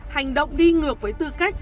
hành động đi ngược với tư cách